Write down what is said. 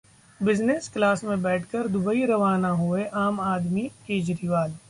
business class में बैठकर Dubai रवाना हुए 'आम आदमी' केजरीवाल